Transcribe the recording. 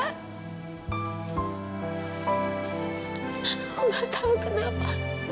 aku gak tau kenapa